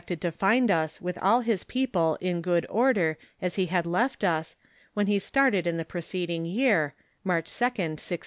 161 to find us with all his people in good order as he had left us, when he started in the preceding year (March 2d, 1680).